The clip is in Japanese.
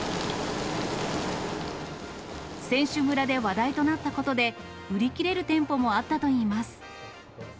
選手村で話題となったことで、売り切れる店舗もあったといいます。